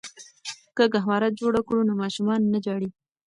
که ګهواره جوړه کړو نو ماشوم نه ژاړي.